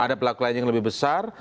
ada pelaku lain yang lebih besar